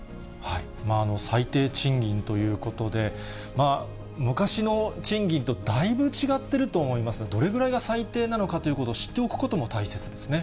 最低賃金ということで、昔の賃金とだいぶ違っていると思いますが、どれぐらいが最低なのかということを知っておくことも大切ですね。